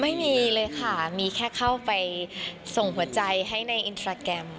ไม่มีเลยค่ะมีแค่เข้าไปส่งหัวใจให้ในอินสตราแกรม